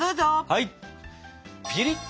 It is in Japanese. はい！